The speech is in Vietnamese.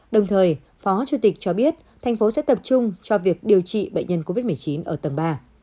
đồng thời phó chủ tịch cho biết thành phố sẽ tập trung cho việc điều trị bệnh nhân covid một mươi chín ở tầng ba